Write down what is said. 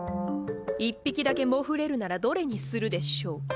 １匹だけモフれるならどれにするでしょう？